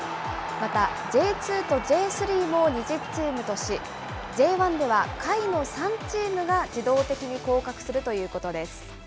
また、Ｊ２とＪ３も２０チームとし、Ｊ１では、下位の３チームが自動的に降格するということです。